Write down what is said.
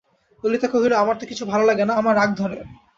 ললিতা কহিল, আমার তো কিছু ভালো লাগে না–আমার রাগ ধরে।